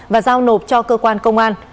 và giao nộp cho cơ quan công an